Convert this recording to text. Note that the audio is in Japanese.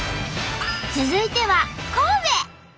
続いては神戸。